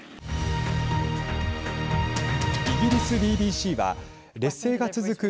イギリスＢＢＣは劣勢が続く